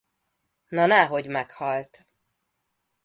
Na ná hogy meghalt.